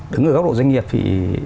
đứng ở góc độ doanh nghiệp thì